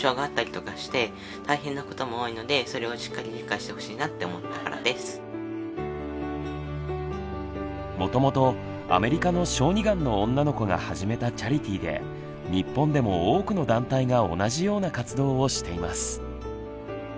四郎さんは元々アメリカの小児がんの女の子が始めたチャリティで日本でも多くの団体が同じような活動をしています。